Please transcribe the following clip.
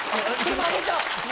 あげちゃおう。